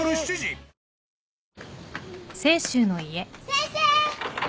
先生！